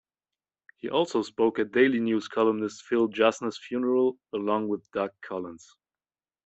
He also spoke at Daily News columnist Phil Jasner's funeral, along with Doug Collins.